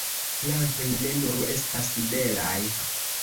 Plantoj ne nur estas belaj.